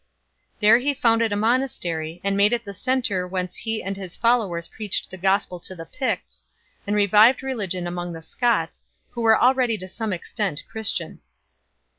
There he founded a monastery, and made it the centre whence he and his followers preached the Gospel to the Picts, and revived religion among the Scots, who were already to some extent Christian.